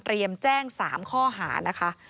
เตรียมแจ้ง๓ข้อหานะคะ